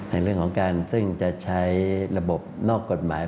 ในเรื่องของการซึ่งจะใช้ระบบนอกกฎหมาย